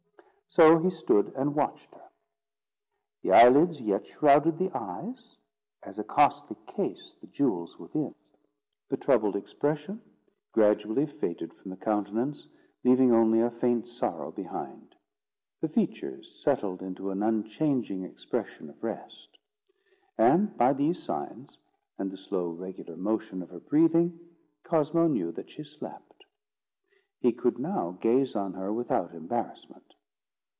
So he stood and watched her. The eyelids yet shrouded the eyes, as a costly case the jewels within; the troubled expression gradually faded from the countenance, leaving only a faint sorrow behind; the features settled into an unchanging expression of rest; and by these signs, and the slow regular motion of her breathing, Cosmo knew that she slept. He could now gaze on her without embarrassment.